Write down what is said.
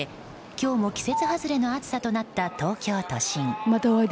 今日も季節外れの暑さとなった東京都心。